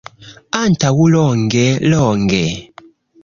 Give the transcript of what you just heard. Antaŭ longe, longe.